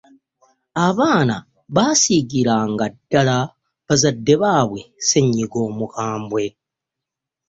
abaana basiigiranga ddala bazadde baabwe ssenyiga omukambwe.